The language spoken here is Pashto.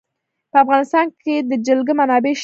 په افغانستان کې د جلګه منابع شته.